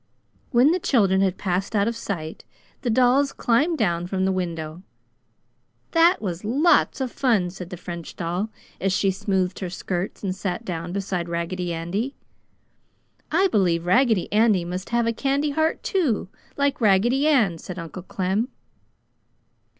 When the children had passed out of sight, the dolls climbed down from the window. "That was lots of fun!" said the French doll, as she smoothed her skirts and sat down beside Raggedy Andy. "I believe Raggedy Andy must have a candy heart too, like Raggedy Ann!" said Uncle Clem.